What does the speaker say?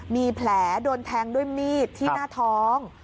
มีแผลโดนแทงด้วยมีดที่หน้าท้อง